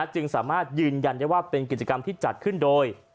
จึงสามารถยืนยันได้ว่าเป็นกิจกรรมที่จัดขึ้นโดย